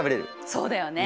そうだよね。